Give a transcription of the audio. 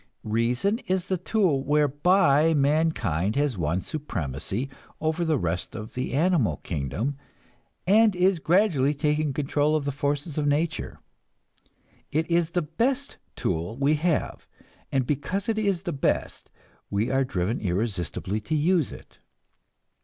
Reason is the tool whereby mankind has won supremacy over the rest of the animal kingdom, and is gradually taking control of the forces of nature. It is the best tool we have, and because it is the best, we are driven irresistibly to use it.